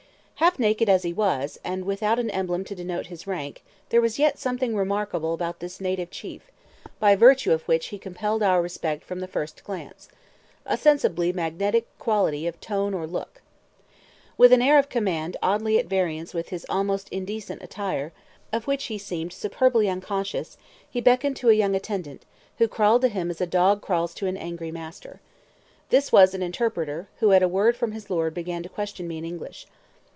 Half naked as he was, and without an emblem to denote his rank, there was yet something remarkable about this native chief, by virtue of which he compelled our respect from the first glance, a sensibly magnetic quality of tone or look. With an air of command oddly at variance with his almost indecent attire, of which he seemed superbly unconscious, he beckoned to a young attendant, who crawled to him as a dog crawls to an angry master. This was an interpreter, who at a word from his lord began to question me in English.